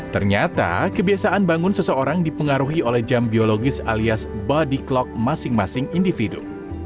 ternyata kebiasaan bangun seseorang dipengaruhi oleh jam biologis alias body clock masing masing individu